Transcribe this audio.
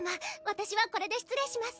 私はこれで失礼します